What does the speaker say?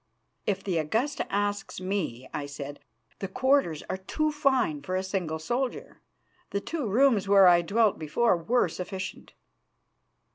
"If the Augusta asks me," I said, "the quarters are too fine for a single soldier. The two rooms where I dwelt before were sufficient."